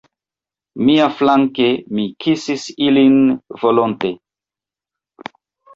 Miaflanke, mi kisis ilin volonte.